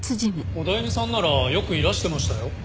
オダエミさんならよくいらしてましたよ。